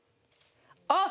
あっ！